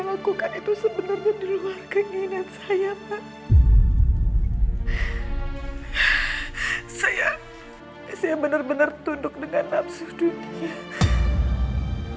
lakukan itu sebenarnya diluar keinginan saya saya saya benar benar tunduk dengan nafsu dunia